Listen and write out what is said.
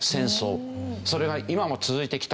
それが今も続いてきた。